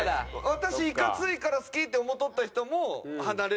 私いかついから好きって思っとった人も離れるし。